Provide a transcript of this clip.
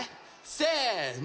せの！